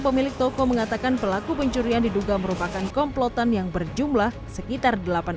pemilik toko mengatakan pelaku pencurian diduga merupakan komplotan yang berjumlah sekitar